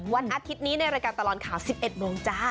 วันอาทิตย์นี้ในรายการตลอดข่าว๑๑โมงจ้า